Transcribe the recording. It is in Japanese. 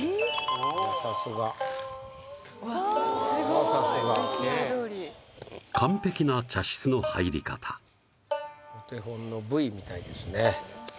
さすがうわーすごーいＶＴＲどおり完璧な茶室の入り方お手本のＶみたいですね